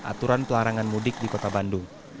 aturan pelarangan mudik di kota bandung